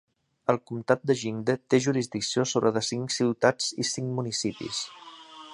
El comtat de Jingde té jurisdicció sobre de cinc ciutats i cinc municipis.